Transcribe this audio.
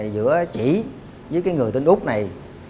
giữa chị với người tên úc này